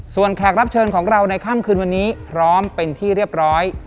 ส่วนแขกรับเชิญของเราในค่ำคืนวันนี้พร้อมเป็นที่เรียบร้อย